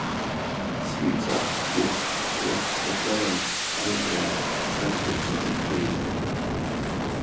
Сиеҵәахәгьы лаԥшҵашәаран, ажәҩан саркьаҿы иӡыҭуеит.